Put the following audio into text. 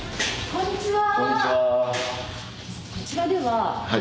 こんにちは。